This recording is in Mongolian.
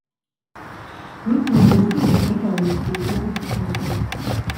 Төрөх үед өвдөх эхийнхээ өвдөлтийг хүүхэд мэдэрдэг.